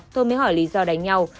tôi mới hỏi lý do đánh nhau